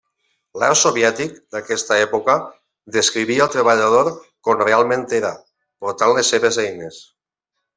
L'art soviètic d'aquesta època descrivia el treballador com realment era, portant les seves eines.